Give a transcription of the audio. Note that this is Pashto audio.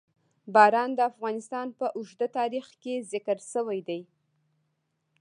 باران د افغانستان په اوږده تاریخ کې ذکر شوی دی.